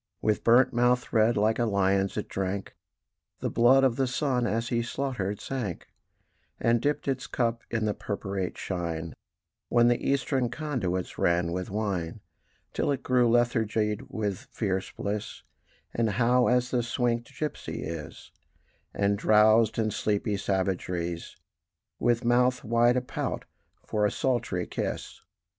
With burnt mouth red like a lion's it drank The blood of the sun as he slaughtered sank, And dipped its cup in the purpurate shine When the eastern conduits ran with wine; Till it grew lethargied with fierce bliss, And hot as a swinkèd gipsy is, And drowsed in sleepy savageries, With mouth wide a pout for a sultry kiss.